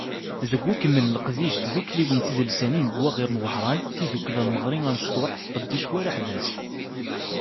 Deg ukemmel n leqdic n tdukkliwin tidelsanin deg waɣir n Wehran, tidukkla Imeɣri Amecṭuḥ, tqeddec war aḥbas.